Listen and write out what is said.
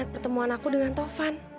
dan ketemu dia kedekatan